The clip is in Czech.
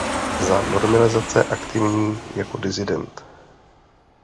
Za normalizace aktivní jako disident.